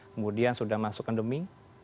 kemudian sudah masuk kendemi